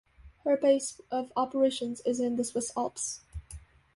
Her base of operations is in the Swiss Alps.